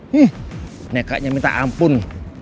mereka minta ampun